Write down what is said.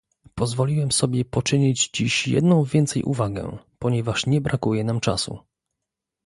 Pozwoliłem sobie poczynić dziś jedną więcej uwagę, ponieważ nie brakuje nam czasu